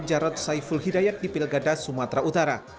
jarad saiful hidayat di pilgada sumatera utara